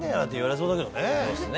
そうですね